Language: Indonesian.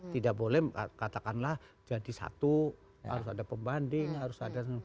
tidak boleh katakanlah jadi satu harus ada pembanding harus ada